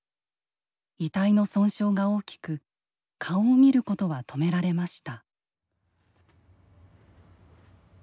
遺体の損傷が大きく顔を見ることは止められました。